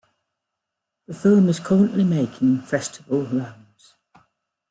The film is currently making festival rounds.